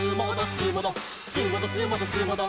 「すーもどすーもどすーもど」